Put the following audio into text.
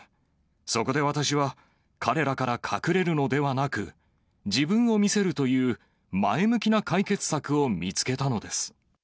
そこで私は、彼らから隠れるのではなく、自分を見せるという前向きな解決策を見つけたのです。